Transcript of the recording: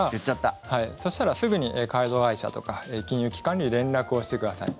そしたらすぐにカード会社とか金融機関に連絡をしてください。